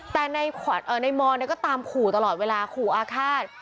แต่นายมอนก็ตามขู่ตลอดเวลาขู่อาฆาต